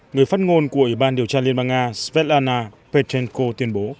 người phát ngôn của ủy ban điều tra liên bang nga svetlana petenko tuyên bố